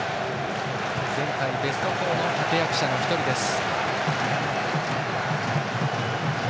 前回ベスト４の立役者の１人です。